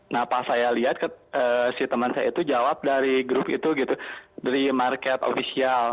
nah pas saya lihat si teman saya itu jawab dari grup itu gitu dari market official